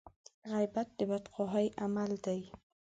غيبت د بدخواهي عمل دی.